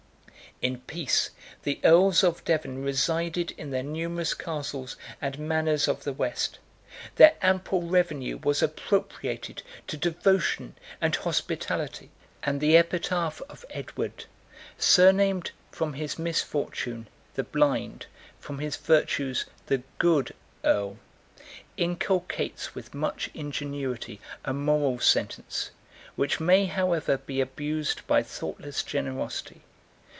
In peace, the earls of Devon resided in their numerous castles and manors of the west; their ample revenue was appropriated to devotion and hospitality; and the epitaph of Edward, surnamed from his misfortune, the blind, from his virtues, the good, earl, inculcates with much ingenuity a moral sentence, which may, however, be abused by thoughtless generosity.